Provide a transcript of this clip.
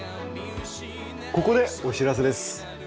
ここでお知らせです。